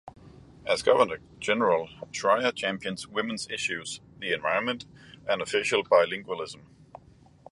As governor general, Schreyer championed women's issues, the environment, and official bilingualism.